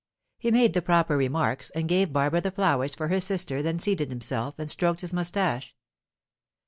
He made the proper remarks, and gave Barbara the flowers for her sister then seated himself, and stroked his moustache.